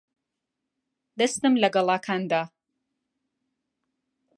دەستم لە گەڵاکان دا.